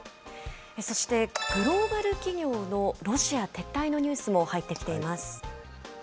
そしてグローバル企業のロシア撤退のニュースも入ってきています。